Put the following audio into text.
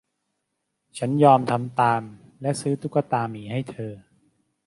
ฉันยอมทำตามและซื้อตุ๊กตาหมีให้เธอ